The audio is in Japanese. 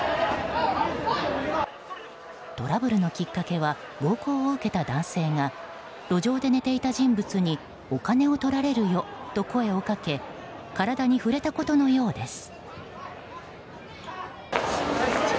トラブルのきっかけは暴行を受けた男性が路上で寝ていた人物にお金を取られるよと声をかけ体に触れたことのようです。